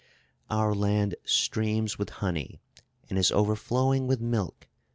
"Our land streams with honey, and is overflowing with milk.